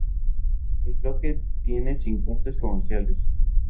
El bloque tiene sin cortes comerciales.